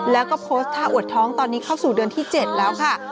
แล้วก็โพสต์ท่าอวดท้องตอนนี้เข้าสู่เดือนที่๗แล้วค่ะ